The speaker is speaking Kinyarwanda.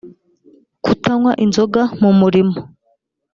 kutanywa inzoga mu murimo